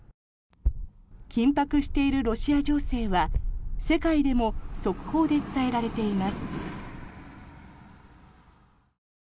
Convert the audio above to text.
緊迫しているロシア情勢は世界でも速報で伝えられています。